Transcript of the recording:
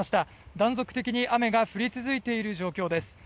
断続的に雨が降り続いている状況です。